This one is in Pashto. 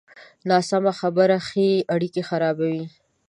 ناسمه خبره ښې اړیکې خرابوي.